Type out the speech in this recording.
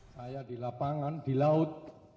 saya di lapangan di laut